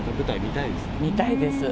見たいです。